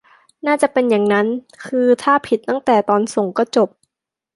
น่าจะเป็นอย่างนั้น คือถ้าผิดตั้งแต่ตอนส่งก็จบ